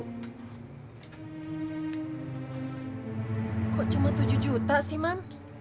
kok cuma tujuh juta sih mam